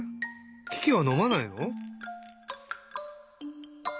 キキはのまないの？